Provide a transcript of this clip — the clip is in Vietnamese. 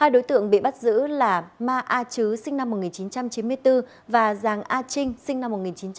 hai đối tượng bị bắt giữ là ma a chứ sinh năm một nghìn chín trăm chín mươi bốn và giàng a trinh sinh năm một nghìn chín trăm chín mươi